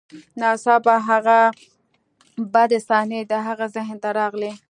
ناڅاپه هغه بدې صحنې د هغه ذهن ته راغلې